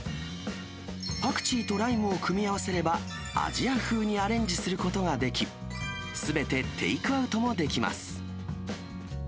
パクチーとライムを組み合わせれば、アジア風にアレンジすることができ、すべてテイクアウトもできます。